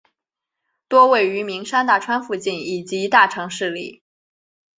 多位于名山大川附近以及大城市里。